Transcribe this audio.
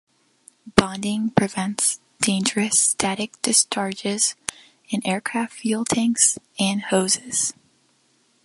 Bonding prevents dangerous static discharges in aircraft fuel tanks and hoses.